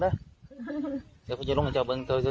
เดี๋ยวจับเดี๋ยวค่อยเปิ่งหยอดหลด